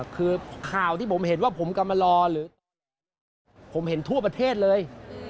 คือข่าวที่ผมเห็นว่าผมกลับมารอหรือผมเห็นทั่วประเทศเลย